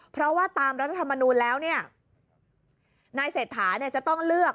เพราะว่าตามรัฐมนูลแล้วเนี่ยนายเสถาจะต้องเลือก